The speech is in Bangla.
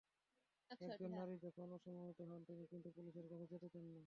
একজন নারী যখন অসম্মানিত হন, তিনি কিন্তু পুলিশের কাছে যেতে চান না।